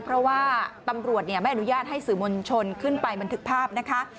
เพราะว่าตำรวจไม่อนุญาตให้สื่อมวลชนขึ้นไปบันทึกภาพนะคะ